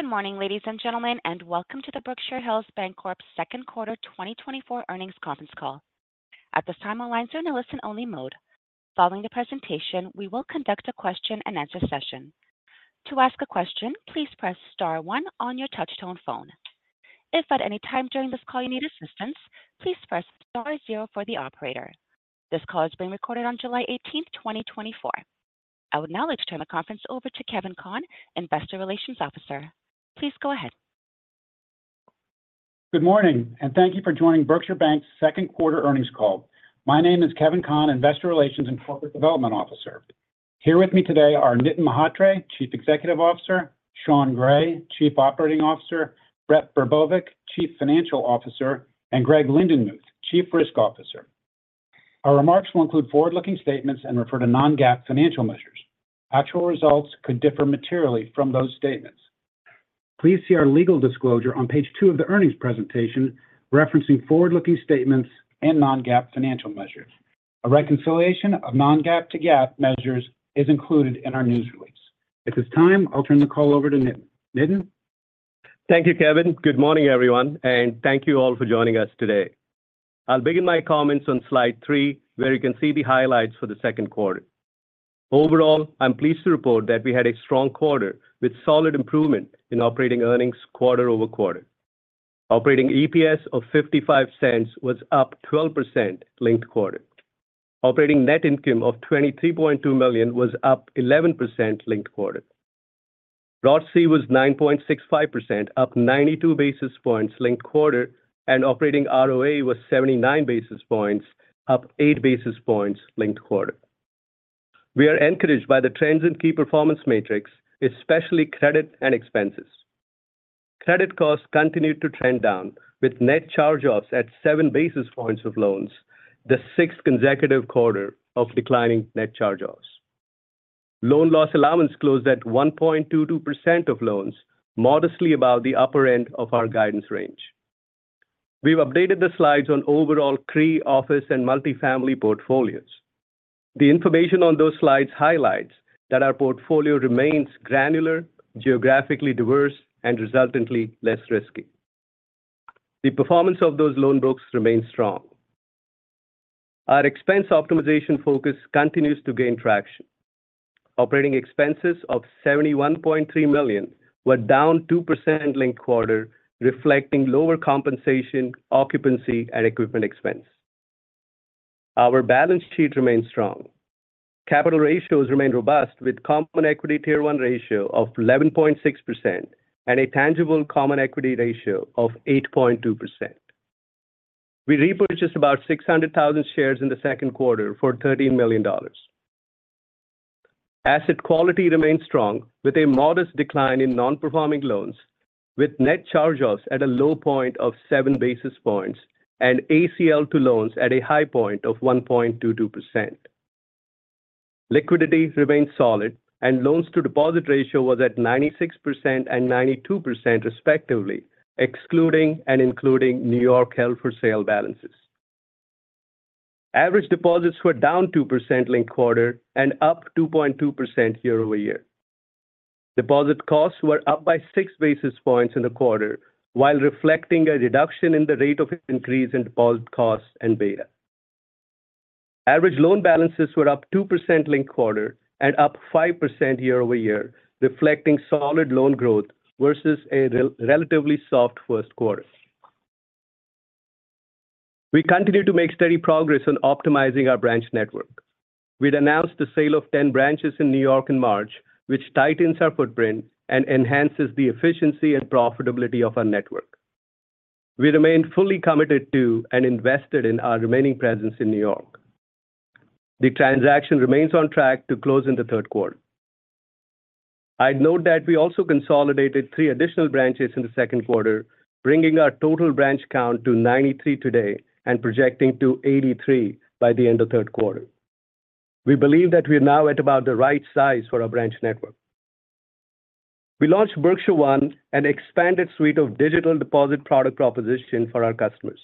Good morning, ladies and gentlemen, and welcome to the Berkshire Hills Bancorp second quarter 2024 earnings conference call. At this time, all lines are in a listen-only mode. Following the presentation, we will conduct a question-and-answer session. To ask a question, please press star one on your touch-tone phone. If at any time during this call you need assistance, please press star zero for the operator. This call is being recorded on July 18th, 2024. I would now like to turn the conference over to Kevin Conn, Investor Relations Officer. Please go ahead. Good morning, and thank you for joining Berkshire Bank's second quarter earnings call. My name is Kevin Conn, Investor Relations and Corporate Development Officer. Here with me today are Nitin Mhatre, Chief Executive Officer; Sean Gray, Chief Operating Officer; Brett Brbovic, Chief Financial Officer; and Greg Lindenmuth, Chief Risk Officer. Our remarks will include forward-looking statements and refer to non-GAAP financial measures. Actual results could differ materially from those statements. Please see our legal disclosure on page two of the earnings presentation, referencing forward-looking statements and non-GAAP financial measures. A reconciliation of non-GAAP to GAAP measures is included in our news release. At this time, I'll turn the call over to Nitin. Nitin? Thank you, Kevin. Good morning, everyone, and thank you all for joining us today. I'll begin my comments on slide 3, where you can see the highlights for the second quarter. Overall, I'm pleased to report that we had a strong quarter with solid improvement in operating earnings quarter-over-quarter. Operating EPS of $0.55 was up 12% linked quarter. Operating net income of $23.2 million was up 11% linked quarter. ROIC was 9.65%, up 92 basis points linked quarter, and operating ROA was 79 basis points, up 8 basis points linked quarter. We are encouraged by the trends in key performance metrics, especially credit and expenses. Credit costs continued to trend down with net charge-offs at 7 basis points of loans, the sixth consecutive quarter of declining net charge-offs. Loan loss allowance closed at 1.22% of loans, modestly above the upper end of our guidance range. We've updated the slides on overall CRE office and multifamily portfolios. The information on those slides highlights that our portfolio remains granular, geographically diverse, and resultantly less risky. The performance of those loan books remains strong. Our expense optimization focus continues to gain traction. Operating expenses of $71.3 million were down 2% linked quarter, reflecting lower compensation, occupancy, and equipment expense. Our balance sheet remains strong. Capital ratios remain robust, with Common Equity Tier One ratio of 11.6% and a Tangible Common Equity ratio of 8.2%. We repurchased about 600,000 shares in the second quarter for $13 million. Asset quality remains strong, with a modest decline in non-performing loans, with net charge-offs at a low point of 7 basis points and ACL to loans at a high point of 1.22%. Liquidity remains solid, and loans to deposit ratio was at 96% and 92% respectively, excluding and including New York held for sale balances. Average deposits were down 2% linked-quarter and up 2.2% year-over-year. Deposit costs were up by 6 basis points in the quarter, while reflecting a reduction in the rate of increase in deposit costs and beta. Average loan balances were up 2% linked-quarter and up 5% year-over-year, reflecting solid loan growth versus a relatively soft first quarter. We continue to make steady progress on optimizing our branch network. We'd announced the sale of 10 branches in New York in March, which tightens our footprint and enhances the efficiency and profitability of our network. We remain fully committed to and invested in our remaining presence in New York. The transaction remains on track to close in the third quarter. I'd note that we also consolidated three additional branches in the second quarter, bringing our total branch count to 93 today and projecting to 83 by the end of third quarter. We believe that we are now at about the right size for our branch network. We launched Berkshire One, an expanded suite of digital deposit product proposition for our customers.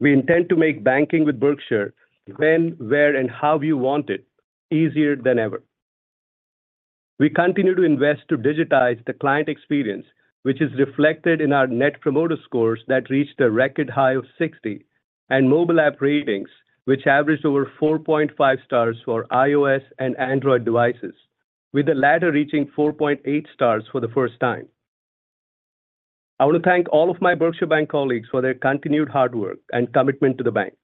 We intend to make banking with Berkshire when, where, and how you want it, easier than ever. We continue to invest to digitize the client experience, which is reflected in our Net Promoter Scores that reached a record high of 60, and mobile app ratings, which averaged over 4.5 stars for iOS and Android devices, with the latter reaching 4.8 stars for the first time. I want to thank all of my Berkshire Bank colleagues for their continued hard work and commitment to the bank.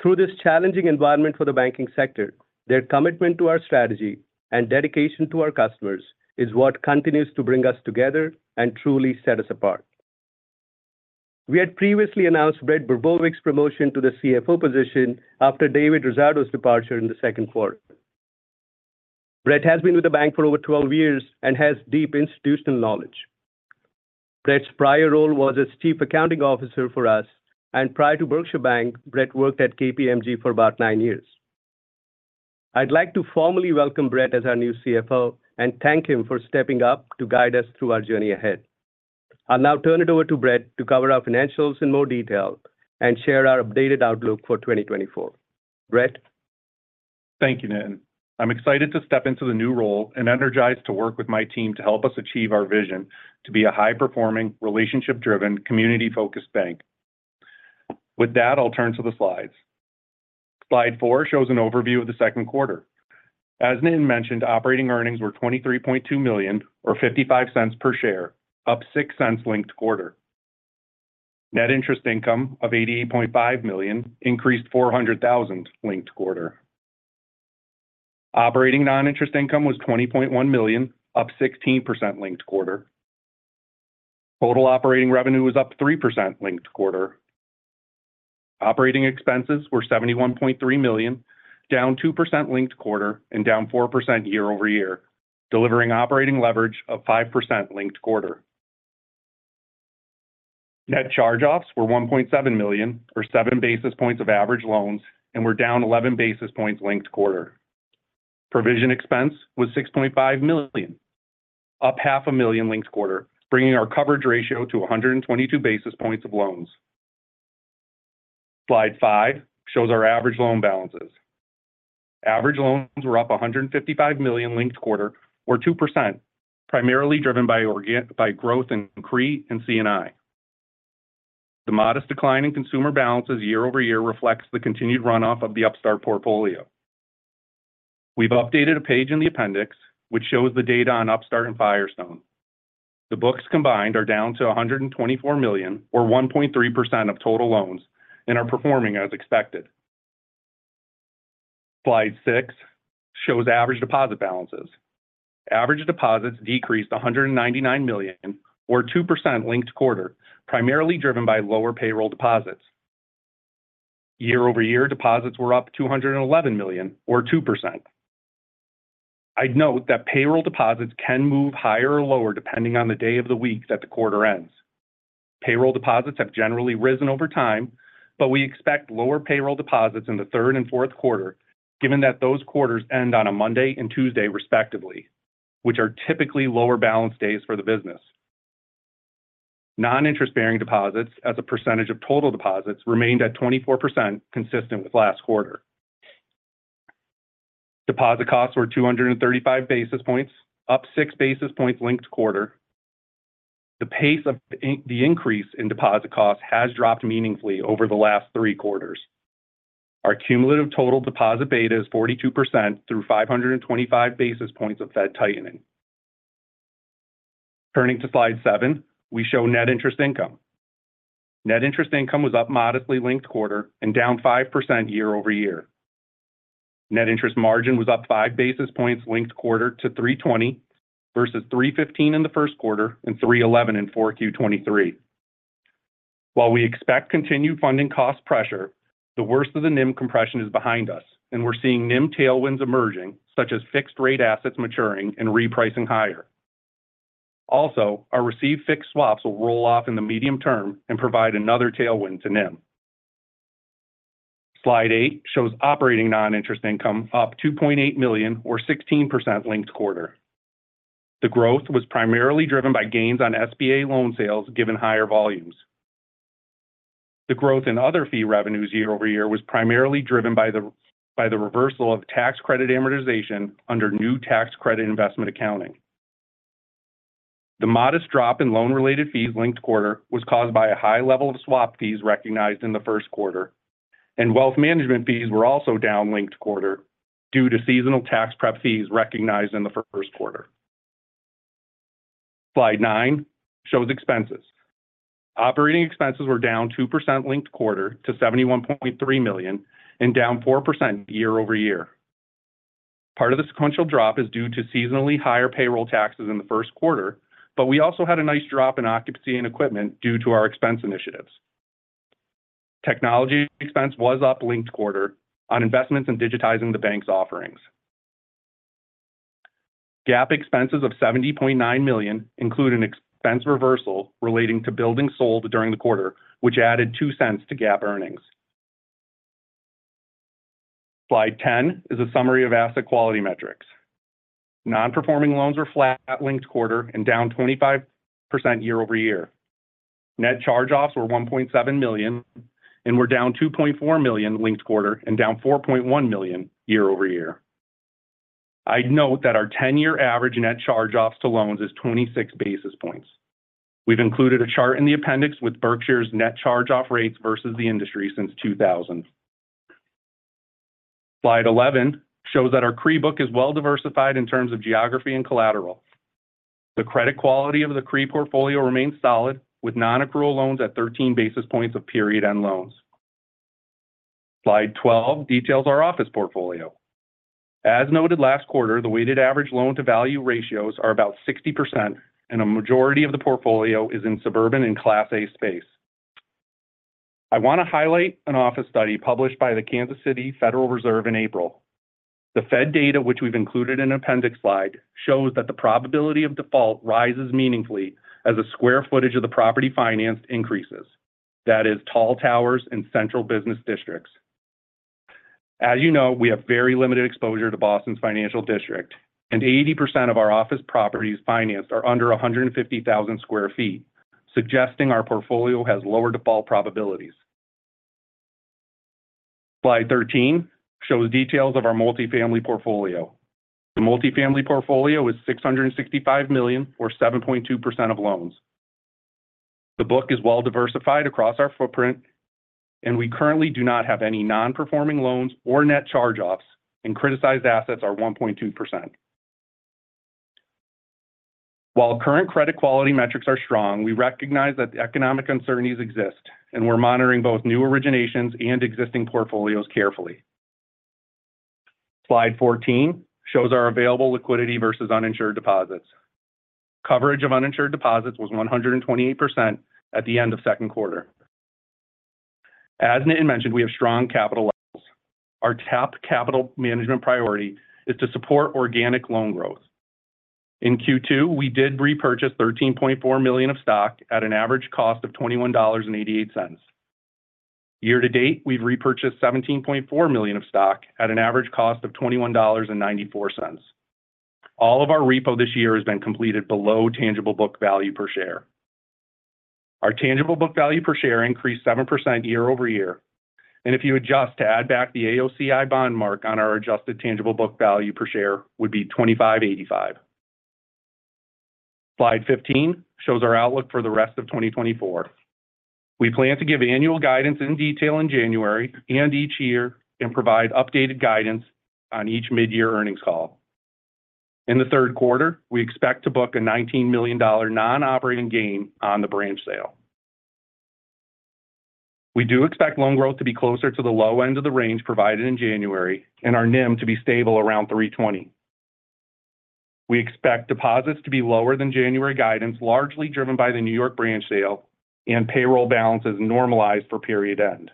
Through this challenging environment for the banking sector, their commitment to our strategy and dedication to our customers is what continues to bring us together and truly set us apart. We had previously announced Brett Brbovic's promotion to the CFO position after David Rosato's departure in the second quarter. Brett has been with the bank for over 12 years and has deep institutional knowledge. Brett's prior role was as Chief Accounting Officer for us, and prior to Berkshire Bank, Brett worked at KPMG for about nine years. I'd like to formally welcome Brett as our new CFO and thank him for stepping up to guide us through our journey ahead. I'll now turn it over to Brett to cover our financials in more detail and share our updated outlook for 2024. Brett?... Thank you, Nitin. I'm excited to step into the new role and energized to work with my team to help us achieve our vision to be a high-performing, relationship-driven, community-focused bank. With that, I'll turn to the slides. Slide 4 shows an overview of the second quarter. As Nitin mentioned, operating earnings were $23.2 million or $0.55 per share, up $0.06 linked quarter. Net interest income of $88.5 million increased $400,000 linked quarter. Operating non-interest income was $20.1 million, up 16% linked quarter. Total operating revenue was up 3% linked quarter. Operating expenses were $71.3 million, down 2% linked quarter and down 4% year-over-year, delivering operating leverage of 5% linked quarter. Net charge-offs were $1.7 million or 7 basis points of average loans and were down 11 basis points linked quarter. Provision expense was $6.5 million, up $0.5 million linked quarter, bringing our coverage ratio to 122 basis points of loans. Slide 5 shows our average loan balances. Average loans were up $155 million linked quarter or 2%, primarily driven by organic growth in CRE and C&I. The modest decline in consumer balances year-over-year reflects the continued runoff of the Upstart portfolio. We've updated a page in the appendix, which shows the data on Upstart and Firestone. The books combined are down to $124 million or 1.3% of total loans and are performing as expected. Slide 6 shows average deposit balances. Average deposits decreased $199 million or 2% linked-quarter, primarily driven by lower payroll deposits. Year-over-year, deposits were up $211 million or 2%. I'd note that payroll deposits can move higher or lower, depending on the day of the week that the quarter ends. Payroll deposits have generally risen over time, but we expect lower payroll deposits in the third and fourth quarter, given that those quarters end on a Monday and Tuesday, respectively, which are typically lower balance days for the business. Non-interest-bearing deposits as a percentage of total deposits remained at 24%, consistent with last quarter. Deposit costs were 235 basis points, up 6 basis points linked-quarter. The pace of the increase in deposit costs has dropped meaningfully over the last three quarters. Our cumulative total deposit beta is 42% through 525 basis points of Fed tightening. Turning to slide 7, we show net interest income. Net interest income was up modestly linked-quarter and down 5% year-over-year. Net interest margin was up 5 basis points linked-quarter to 3.20 versus 3.15 in the first quarter and 3.11 in 4Q 2023. While we expect continued funding cost pressure, the worst of the NIM compression is behind us, and we're seeing NIM tailwinds emerging, such as fixed-rate assets maturing and repricing higher. Also, our receive-fixed swaps will roll off in the medium term and provide another tailwind to NIM. Slide 8 shows operating non-interest income up $2.8 million or 16% linked-quarter. The growth was primarily driven by gains on SBA loan sales, given higher volumes. The growth in other fee revenues year-over-year was primarily driven by the reversal of tax credit amortization under new tax credit investment accounting. The modest drop in loan-related fees linked-quarter was caused by a high level of swap fees recognized in the first quarter, and wealth management fees were also down linked-quarter due to seasonal tax prep fees recognized in the first quarter. Slide 9 shows expenses. Operating expenses were down 2% linked-quarter to $71.3 million and down 4% year-over-year. Part of the sequential drop is due to seasonally higher payroll taxes in the first quarter, but we also had a nice drop in occupancy and equipment due to our expense initiatives. Technology expense was up linked-quarter on investments in digitizing the bank's offerings. GAAP expenses of $70.9 million include an expense reversal relating to buildings sold during the quarter, which added $0.02 to GAAP earnings. Slide 10 is a summary of asset quality metrics. Non-performing loans were flat linked-quarter and down 25% year-over-year. Net charge-offs were $1.7 million and were down $2.4 million linked-quarter and down $4.1 million year-over-year. I'd note that our 10-year average net charge-offs to loans is 26 basis points. We've included a chart in the appendix with Berkshire's net charge-off rates versus the industry since 2000. Slide 11 shows that our CRE book is well-diversified in terms of geography and collateral. The credit quality of the CRE portfolio remains solid, with non-accrual loans at 13 basis points of period-end loans. Slide 12 details our office portfolio. As noted last quarter, the weighted average loan-to-value ratios are about 60%, and a majority of the portfolio is in suburban and Class A space. I want to highlight an office study published by the Kansas City Federal Reserve in April. The Fed data, which we've included in appendix slide, shows that the probability of default rises meaningfully as the square footage of the property financed increases. That is, tall towers and central business districts. As you know, we have very limited exposure to Boston's financial district, and 80% of our office properties financed are under 150,000 sq ft, suggesting our portfolio has lower default probabilities. Slide 13 shows details of our multifamily portfolio. The multifamily portfolio is $665 million, or 7.2% of loans. The book is well diversified across our footprint, and we currently do not have any non-performing loans or net charge-offs, and criticized assets are 1.2%. While current credit quality metrics are strong, we recognize that economic uncertainties exist, and we're monitoring both new originations and existing portfolios carefully. Slide 14 shows our available liquidity versus uninsured deposits. Coverage of uninsured deposits was 128% at the end of second quarter. As Nitin mentioned, we have strong capital levels. Our top capital management priority is to support organic loan growth. In Q2, we did repurchase 13.4 million of stock at an average cost of $21.88. Year to date, we've repurchased 17.4 million of stock at an average cost of $21.94. All of our repo this year has been completed below tangible book value per share. Our tangible book value per share increased 7% year-over-year, and if you adjust to add back the AOCI bond mark on our adjusted tangible book value per share would be $25.85. Slide 15 shows our outlook for the rest of 2024. We plan to give annual guidance in detail in January and each year and provide updated guidance on each mid-year earnings call. In the third quarter, we expect to book a $19 million non-operating gain on the branch sale. We do expect loan growth to be closer to the low end of the range provided in January and our NIM to be stable around 3.20. We expect deposits to be lower than January guidance, largely driven by the New York branch sale and payroll balances normalized for period end.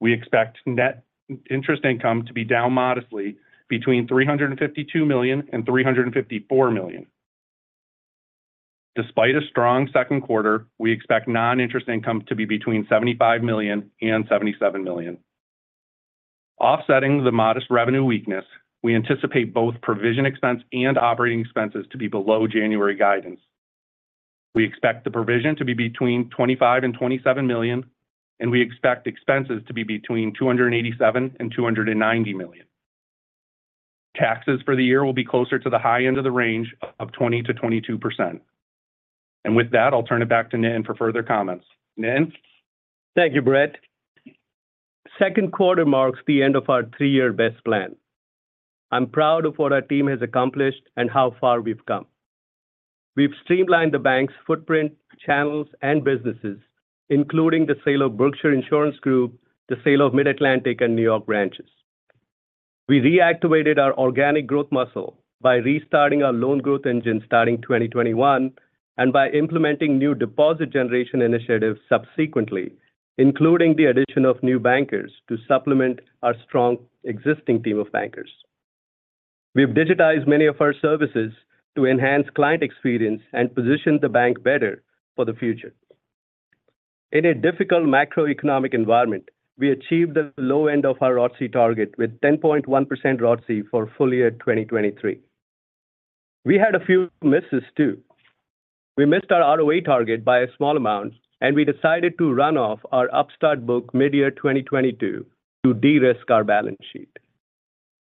We expect net interest income to be down modestly between $352 million-$354 million. Despite a strong second quarter, we expect non-interest income to be between $75 million-$77 million. Offsetting the modest revenue weakness, we anticipate both provision expense and operating expenses to be below January guidance. We expect the provision to be between $25 million-$27 million, and we expect expenses to be between $287 million-$290 million. Taxes for the year will be closer to the high end of the range of 20%-22%. And with that, I'll turn it back to Nitin for further comments. Nitin? Thank you, Brett. Second quarter marks the end of our three-year BEST plan. I'm proud of what our team has accomplished and how far we've come. We've streamlined the bank's footprint, channels, and businesses, including the sale of Berkshire Insurance Group, the sale of Mid-Atlantic and New York branches. We reactivated our organic growth muscle by restarting our loan growth engine starting 2021, and by implementing new deposit generation initiatives subsequently, including the addition of new bankers to supplement our strong existing team of bankers. We've digitized many of our services to enhance client experience and position the bank better for the future. In a difficult macroeconomic environment, we achieved the low end of our ROTCE target with 10.1% ROTCE for full year 2023. We had a few misses, too. We missed our ROA target by a small amount, and we decided to run off our Upstart book midyear 2022 to de-risk our balance sheet.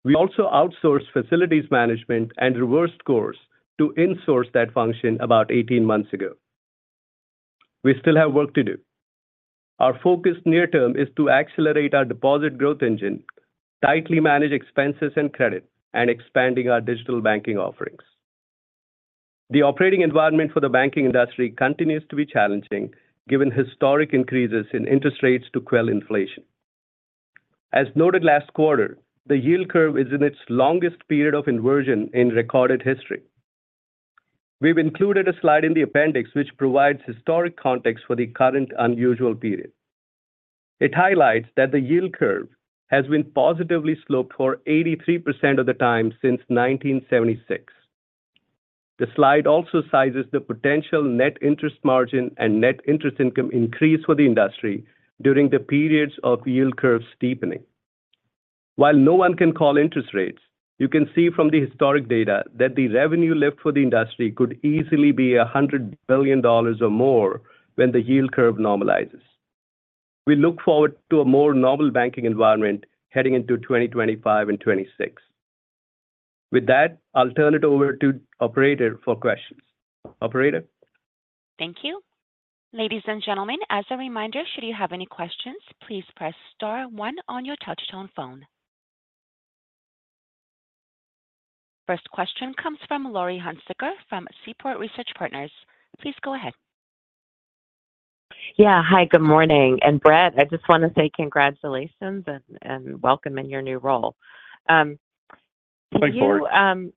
We also outsourced facilities management and reversed course to in-source that function about 18 months ago. We still have work to do. Our focus near term is to accelerate our deposit growth engine, tightly manage expenses and credit, and expanding our digital banking offerings. The operating environment for the banking industry continues to be challenging, given historic increases in interest rates to quell inflation. As noted last quarter, the yield curve is in its longest period of inversion in recorded history. We've included a slide in the appendix which provides historic context for the current unusual period. It highlights that the yield curve has been positively sloped for 83% of the time since 1976. The slide also sizes the potential net interest margin and net interest income increase for the industry during the periods of yield curve steepening. While no one can call interest rates, you can see from the historic data that the revenue lift for the industry could easily be $100 billion or more when the yield curve normalizes. We look forward to a more normal banking environment heading into 2025 and 2026. With that, I'll turn it over to operator for questions. Operator? Thank you. Ladies and gentlemen, as a reminder, should you have any questions, please press star one on your touchtone phone. First question comes from Laurie Hunsicker from Seaport Research Partners. Please go ahead. Yeah. Hi, good morning. Brett, I just want to say congratulations and welcome in your new role. Thanks, Laurie.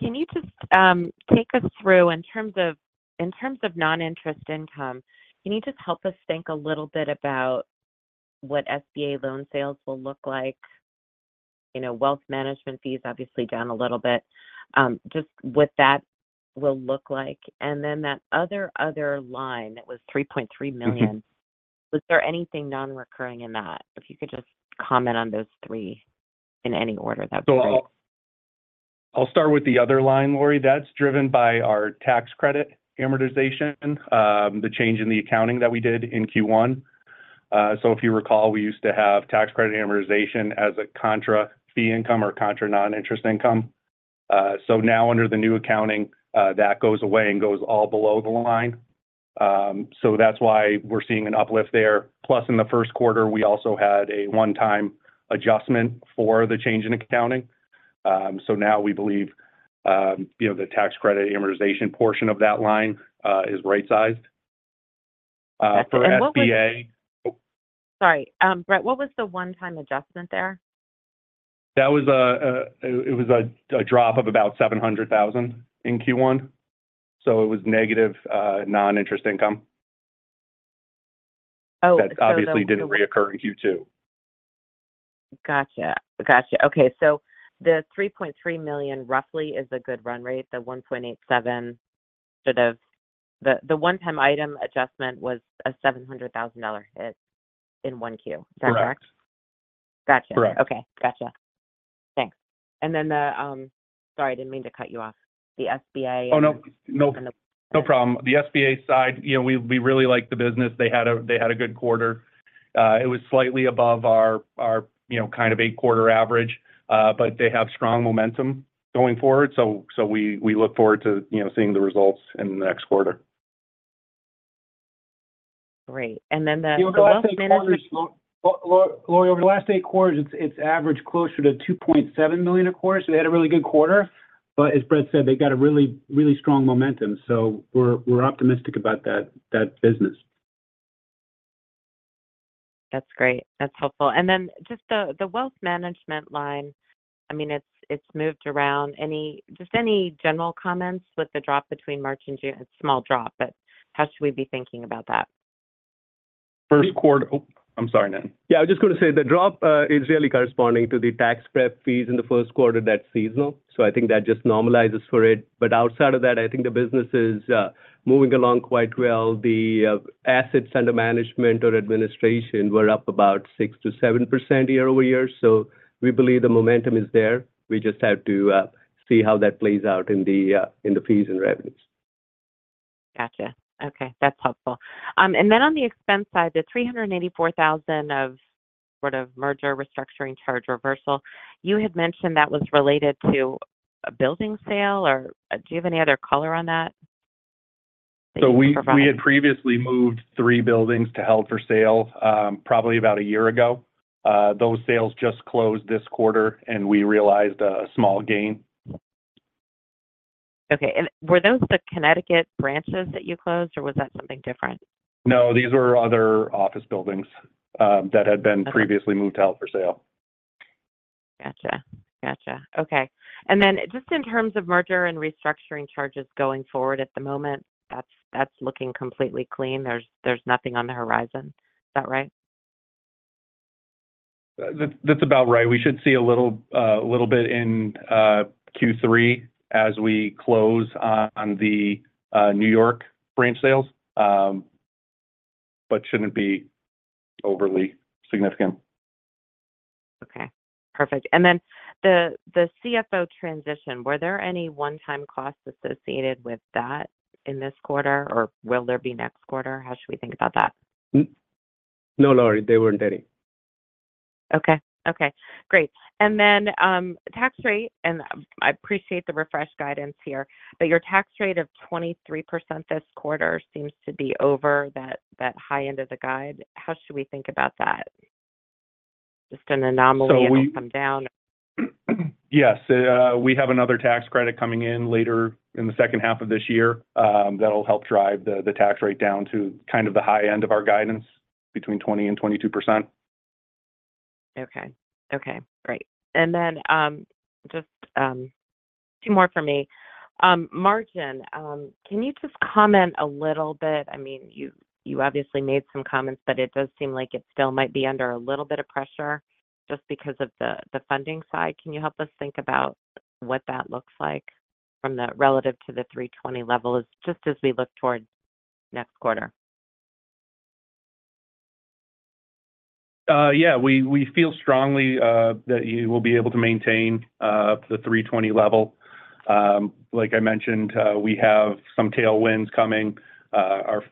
Can you just take us through, in terms of, in terms of non-interest income, can you just help us think a little bit about what SBA loan sales will look like? You know, wealth management fees obviously down a little bit. Just what that will look like. And then that other line that was $3.3 million. Was there anything non-recurring in that? If you could just comment on those three in any order, that'd be great. I'll start with the other line, Laurie. That's driven by our tax credit amortization and, the change in the accounting that we did in Q1. So if you recall, we used to have tax credit amortization as a contra fee income or contra non-interest income. So now under the new accounting, that goes away and goes all below the line. So that's why we're seeing an uplift there. Plus, in the first quarter, we also had a one-time adjustment for the change in accounting. So now we believe, you know, the tax credit amortization portion of that line, is right-sized. For SBA- Sorry, Brett, what was the one-time adjustment there? That was a drop of about $700,000 in Q1, so it was negative non-interest income. Oh, so- That obviously didn't reoccur in Q2. Gotcha. Gotcha. Okay. So the $3.3 million roughly is a good run rate, the $1.87 million for the... The one-time item adjustment was a $700,000 hit in 1Q. Correct. Is that correct? Gotcha. Correct. Okay, gotcha. Thanks. And then the, Sorry, I didn't mean to cut you off. The SBA- Oh, no. No, no problem. The SBA side, you know, we really like the business. They had a good quarter. It was slightly above our you know kind of eight-quarter average. But they have strong momentum going forward. So we look forward to you know seeing the results in the next quarter. Great. And then the- Laurie, over the last eight quarters, it's averaged closer to $2.7 million a quarter, so they had a really good quarter. But as Brett said, they've got a really, really strong momentum, so we're optimistic about that business. That's great. That's helpful. And then just the wealth management line, I mean, it's moved around. Just any general comments with the drop between March and June? A small drop, but how should we be thinking about that? First quarter— Oh, I'm sorry, Nitin. Yeah, I was just gonna say, the drop is really corresponding to the tax prep fees in the first quarter. That's seasonal, so I think that just normalizes for it. But outside of that, I think the business is moving along quite well. The assets under management or administration were up about 6%-7% year-over-year, so we believe the momentum is there. We just have to see how that plays out in the fees and revenues. Gotcha. Okay, that's helpful. And then on the expense side, the $384,000 of sort of merger restructuring charge reversal, you had mentioned that was related to a building sale, or do you have any other color on that? So we had previously moved three buildings to held for sale, probably about a year ago. Those sales just closed this quarter, and we realized a small gain. Okay. And were those the Connecticut branches that you closed, or was that something different? No, these were other office buildings that had been- Okay... previously moved out for sale. Gotcha. Gotcha. Okay. And then just in terms of merger and restructuring charges going forward at the moment, that's, that's looking completely clean. There's, there's nothing on the horizon. Is that right? That's about right. We should see a little bit in Q3 as we close on the New York branch sales. But shouldn't be overly significant. Okay, perfect. And then the CFO transition, were there any one-time costs associated with that in this quarter, or will there be next quarter? How should we think about that? No, Laurie, there weren't any. Okay. Okay, great. And then, tax rate, and I appreciate the refresh guidance here, but your tax rate of 23% this quarter seems to be over that, that high end of the guide. How should we think about that? Just an anomaly- So we- It'll come down? Yes. We have another tax credit coming in later in the second half of this year, that'll help drive the tax rate down to kind of the high end of our guidance, between 20% and 22%. Okay. Okay, great. And then, just, two more for me. Margin, can you just comment a little bit? I mean, you, you obviously made some comments, but it does seem like it still might be under a little bit of pressure, just because of the, the funding side. Can you help us think about what that looks like from the relative to the 320 levels, just as we look toward next quarter? Yeah, we feel strongly that you will be able to maintain the 3.20 level. Like I mentioned, we have some tailwinds coming. Our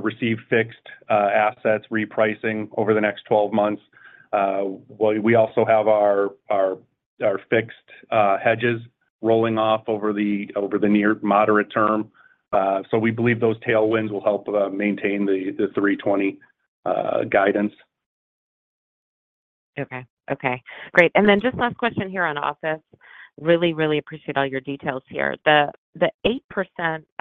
receive-fixed assets repricing over the next 12 months. Well, we also have our fixed hedges rolling off over the near moderate term. So we believe those tailwinds will help maintain the 3.20 guidance. Okay. Okay, great. And then just last question here on office. Really, really appreciate all your details here. The 8%,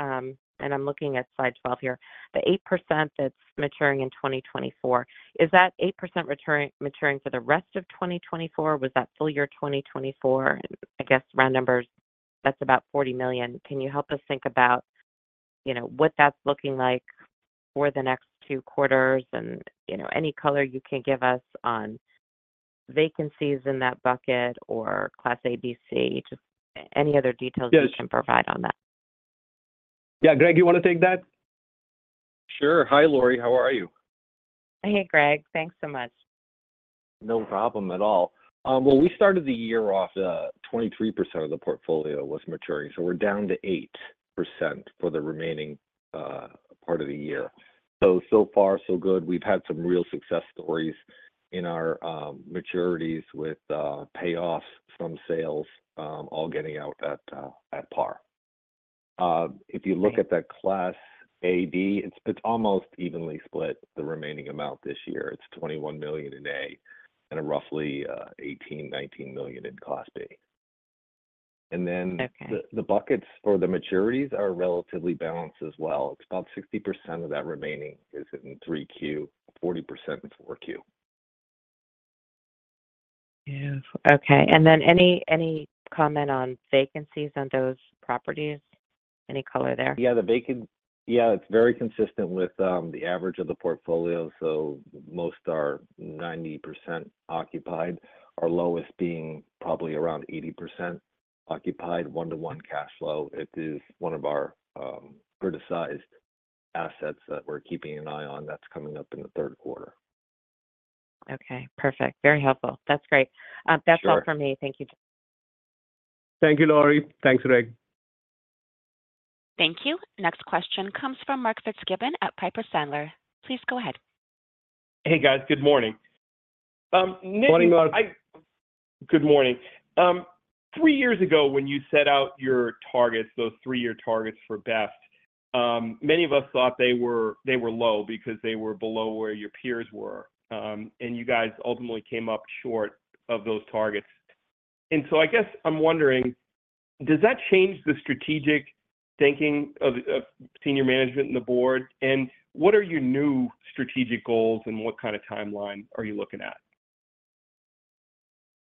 and I'm looking at slide 12 here, the 8% that's maturing in 2024, is that 8% returning, maturing for the rest of 2024? Was that full year 2024? I guess round numbers, that's about $40 million. Can you help us think about, you know, what that's looking like for the next two quarters? And, you know, any color you can give us on vacancies in that bucket or Class A, B, C? Just any other details? Yes... you can provide on that. Yeah, Greg, you wanna take that? Sure. Hi, Laurie. How are you? Hey, Greg. Thanks so much. No problem at all. Well, we started the year off, 23% of the portfolio was maturing, so we're down to 8% for the remaining part of the year. So, so far, so good. We've had some real success stories in our maturities with payoffs from sales, all getting out at par. If you look at that Class A, B, it's almost evenly split the remaining amount this year. It's $21 million in A and roughly $18 million-$19 million in Class B. Okay. And then the buckets for the maturities are relatively balanced as well. It's about 60% of that remaining is in 3Q, 40% in 4Q. Yeah. Okay. And then any, any comment on vacancies on those properties? Any color there? Yeah, the vacancy... Yeah, it's very consistent with the average of the portfolio, so most are 90% occupied. Our lowest being probably around 80% occupied, 1:1 cash flow. It is one of our criticized assets that we're keeping an eye on that's coming up in the third quarter. Okay, perfect. Very helpful. That's great. Sure. That's all for me. Thank you. Thank you, Laurie. Thanks, Greg. Thank you. Next question comes from Mark Fitzgibbon at Piper Sandler. Please go ahead. Hey, guys. Good morning. Nitin, Morning, Mark. Good morning. Three years ago, when you set out your targets, those three-year targets for BEST, many of us thought they were, they were low because they were below where your peers were. And you guys ultimately came up short of those targets. And so I guess I'm wondering, does that change the strategic thinking of, of senior management and the board? And what are your new strategic goals, and what kind of timeline are you looking at?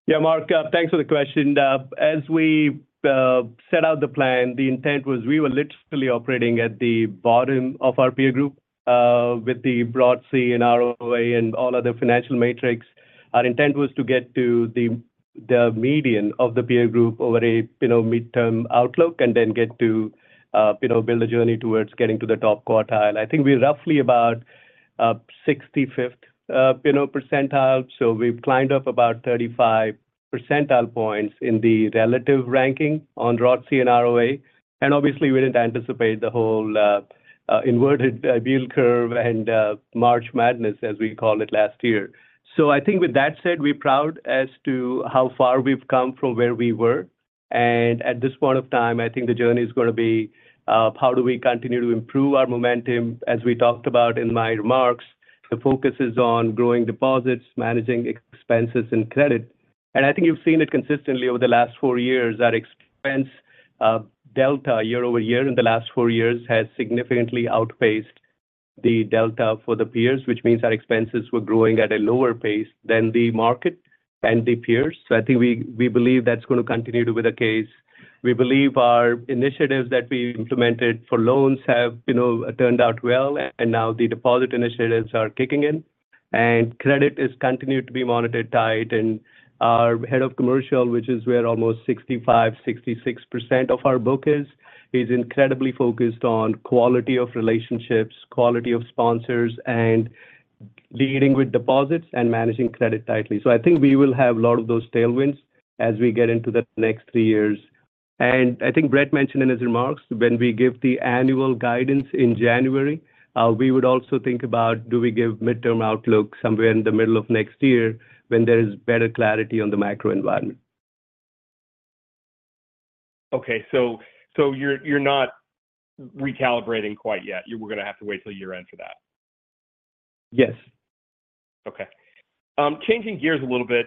Yeah, Mark, thanks for the question. As we set out the plan, the intent was we were literally operating at the bottom of our peer group with the broad C&I and ROA and all other financial metrics. Our intent was to get to the median of the peer group over a, you know, midterm outlook, and then get to, you know, build a journey towards getting to the top quartile. I think we're roughly about 65th, you know, percentile, so we've climbed up about 35 percentile points in the relative ranking on ROTCE and ROA, and obviously, we didn't anticipate the whole inverted yield curve and March Madness, as we called it last year. So I think with that said, we're proud as to how far we've come from where we were, and at this point of time, I think the journey is gonna be, how do we continue to improve our momentum? As we talked about in my remarks, the focus is on growing deposits, managing expenses, and credit. And I think you've seen it consistently over the last four years, that expense delta year-over-year in the last four years has significantly outpaced the delta for the peers, which means our expenses were growing at a lower pace than the market and the peers. So I think we, we believe that's gonna continue to be the case. We believe our initiatives that we implemented for loans have, you know, turned out well, and now the deposit initiatives are kicking in, and credit is continued to be monitored tight. Our head of commercial, which is where almost 65%-66% of our book is, is incredibly focused on quality of relationships, quality of sponsors, and leading with deposits and managing credit tightly. I think we will have a lot of those tailwinds as we get into the next three years. I think Brett mentioned in his remarks, when we give the annual guidance in January, we would also think about, do we give midterm outlook somewhere in the middle of next year when there is better clarity on the macro environment? Okay. So you're not recalibrating quite yet. You're gonna have to wait till year-end for that? Yes. Okay. Changing gears a little bit,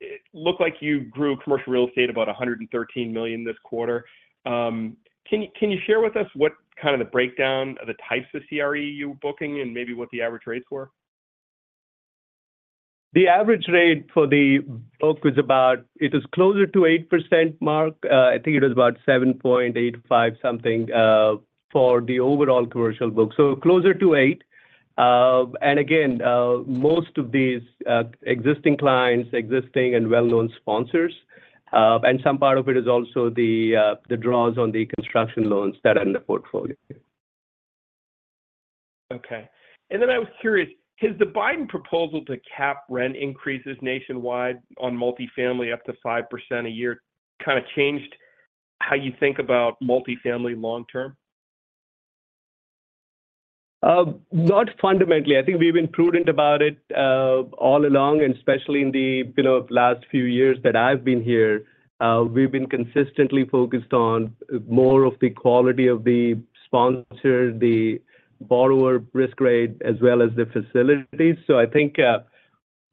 it looked like you grew commercial real estate about $113 million this quarter. Can you, can you share with us what kind of the breakdown of the types of CRE you were booking and maybe what the average rates were? The average rate for the book was about... It is closer to 8%, Mark. I think it was about 7.85 something, for the overall commercial book. So closer to 8. And again, most of these, existing clients, existing and well-known sponsors, and some part of it is also the, the draws on the construction loans that are in the portfolio. Okay. And then I was curious, has the Biden proposal to cap rent increases nationwide on multifamily up to 5% a year, kind of changed how you think about multifamily long term? Not fundamentally. I think we've been prudent about it all along, and especially in the, you know, last few years that I've been here. We've been consistently focused on more of the quality of the sponsor, the borrower risk grade, as well as the facilities. So I think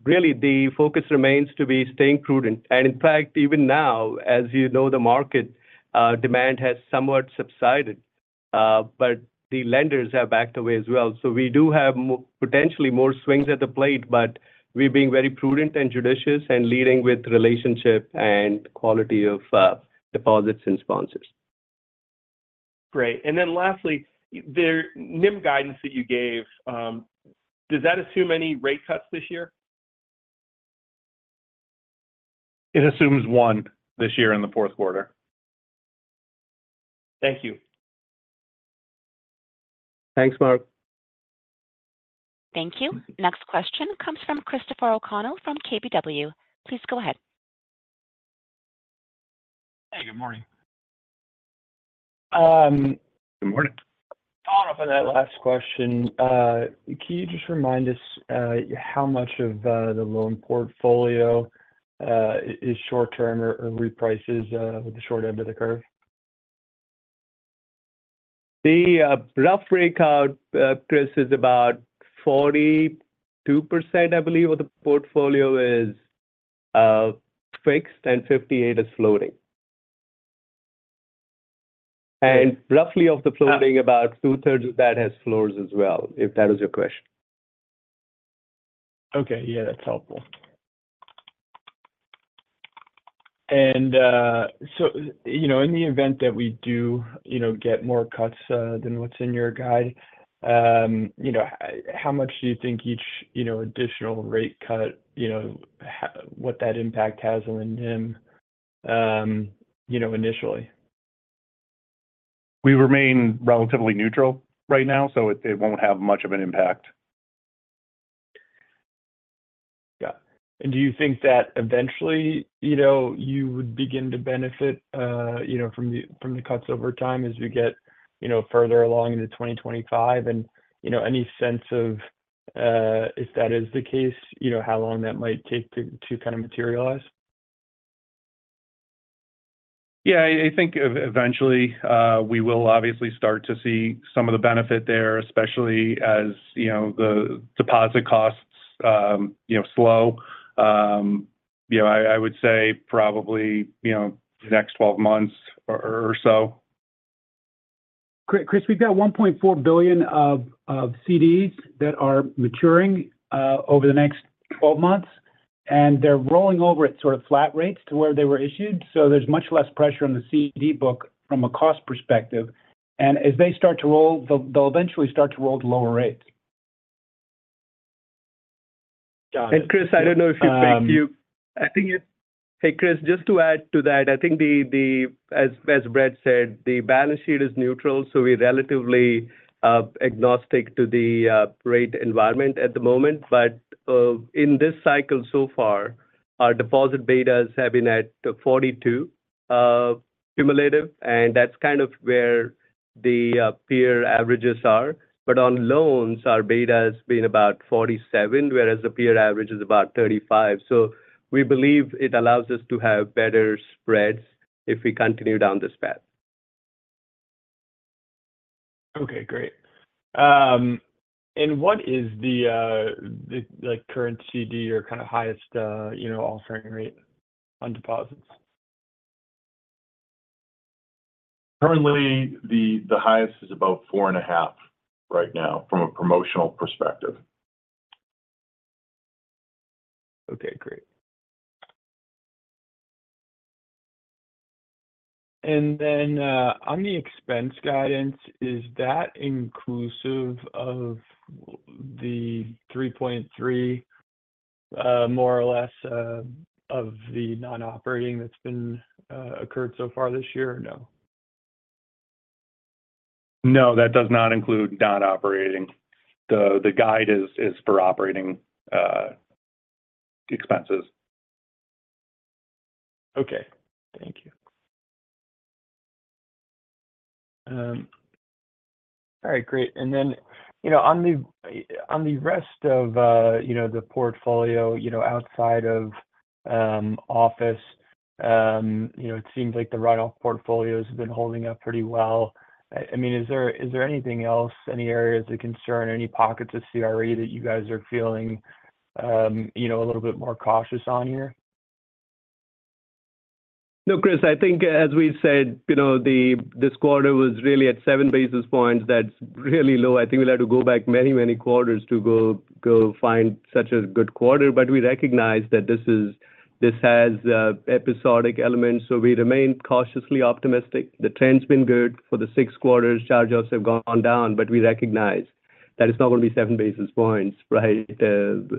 really the focus remains to be staying prudent. And in fact, even now, as you know, the market demand has somewhat subsided, but the lenders have backed away as well. So we do have potentially more swings at the plate, but we're being very prudent and judicious and leading with relationship and quality of deposits and sponsors. Great. And then lastly, the NIM guidance that you gave, does that assume any rate cuts this year?... it assumes one this year in the fourth quarter. Thank you. Thanks, Mark. Thank you. Next question comes from Christopher O'Connell from KBW. Please go ahead. Hey, good morning. Good morning. Following up on that last question, can you just remind us how much of the loan portfolio is short term or reprices with the short end of the curve? The rough breakout, Chris, is about 42%, I believe, of the portfolio is fixed, and 58% is floating. Roughly of the floating, about two thirds of that has floors as well, if that was your question. Okay. Yeah, that's helpful. So, you know, in the event that we do, you know, get more cuts than what's in your guide, you know, how much do you think each, you know, additional rate cut, you know, what that impact has on NIM, you know, initially? We remain relatively neutral right now, so it, it won't have much of an impact. Yeah. And do you think that eventually, you know, you would begin to benefit, you know, from the cuts over time as we get, you know, further along into 2025? And, you know, any sense of, if that is the case, you know, how long that might take to kind of materialize? Yeah, I think eventually, we will obviously start to see some of the benefit there, especially as, you know, the deposit costs, you know, slow. You know, I would say probably, you know, the next 12 months or so. Chris, Chris, we've got $1.4 billion of CDs that are maturing over the next 12 months, and they're rolling over at sort of flat rates to where they were issued. So there's much less pressure on the CD book from a cost perspective. And as they start to roll, they'll eventually start to roll to lower rates. Got it. Hey, Chris, just to add to that, I think as Brett said, the balance sheet is neutral, so we're relatively agnostic to the rate environment at the moment. But in this cycle so far, our deposit betas have been at 42 cumulative, and that's kind of where the peer averages are. But on loans, our beta has been about 47%, whereas the peer average is about 35%. So we believe it allows us to have better spreads if we continue down this path. Okay, great. What is the, like, current CD or kind of highest, you know, offering rate on deposits? Currently, the highest is about 4.5% right now from a promotional perspective. Okay, great. And then, on the expense guidance, is that inclusive of the $3.3 million, more or less, of the non-operating that's been occurred so far this year, or no? No, that does not include non-operating. The guide is for operating expenses. Okay. Thank you. All right, great. And then, you know, on the rest of the portfolio, you know, outside of office, you know, it seems like the write-off portfolio has been holding up pretty well. I mean, is there anything else, any areas of concern, any pockets of CRE that you guys are feeling, you know, a little bit more cautious on here? No, Chris, I think as we said, you know, this quarter was really at 7 basis points. That's really low. I think we'll have to go back many, many quarters to go find such a good quarter. But we recognize that this has episodic elements, so we remain cautiously optimistic. The trend's been good for the six quarters. Charge-offs have gone down, but we recognize that it's not going to be 7 basis points, right, in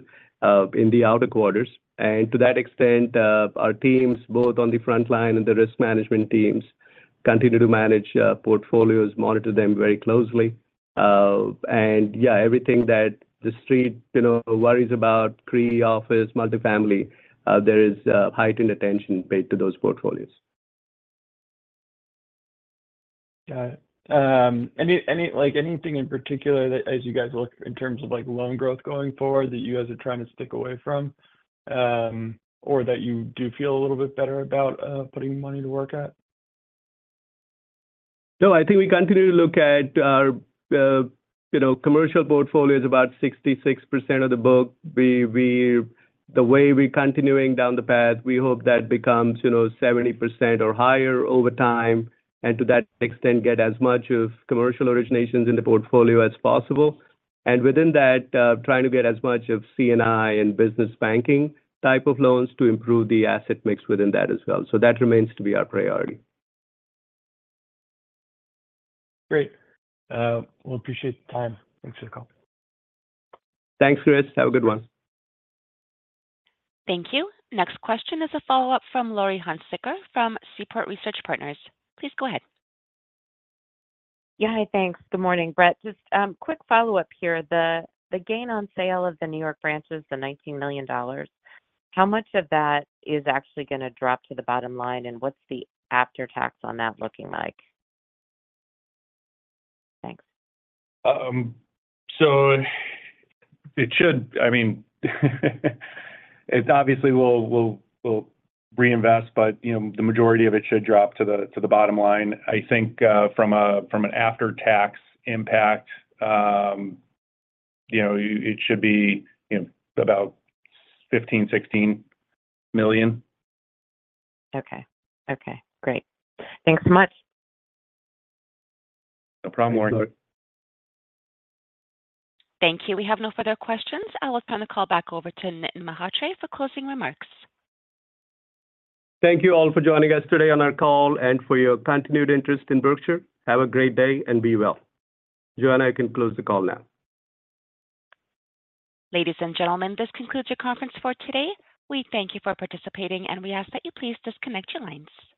the outer quarters. And to that extent, our teams, both on the frontline and the risk management teams, continue to manage portfolios, monitor them very closely. And yeah, everything that the street, you know, worries about, CRE office, multifamily, there is heightened attention paid to those portfolios. Got it. Any, like, anything in particular that as you guys look in terms of, like, loan growth going forward, that you guys are trying to stick away from? Or that you do feel a little bit better about, putting money to work at? No, I think we continue to look at our, you know, commercial portfolio is about 66% of the book. The way we're continuing down the path, we hope that becomes, you know, 70% or higher over time, and to that extent, get as much of commercial originations in the portfolio as possible. And within that, trying to get as much of C&I and business banking type of loans to improve the asset mix within that as well. So that remains to be our priority. Great. Well, appreciate the time. Thanks for the call. Thanks, Chris. Have a good one. Thank you. Next question is a follow-up from Laurie Hunsicker from Seaport Research Partners. Please go ahead. Yeah. Hi, thanks. Good morning, Brett. Just, quick follow-up here. The gain on sale of the New York branches, the $19 million, how much of that is actually going to drop to the bottom line, and what's the after-tax on that looking like? Thanks. I mean, it's obviously we'll reinvest, but, you know, the majority of it should drop to the bottom line. I think, from an after-tax impact, you know, it should be, you know, about $15 million-$16 million. Okay. Okay, great. Thanks so much. No problem. Thanks, Laurie. Thank you. We have no further questions. I will turn the call back over to Nitin Mhatre for closing remarks. Thank you all for joining us today on our call and for your continued interest in Berkshire. Have a great day, and be well. Joanna, you can close the call now. Ladies and gentlemen, this concludes your conference for today. We thank you for participating, and we ask that you please disconnect your lines.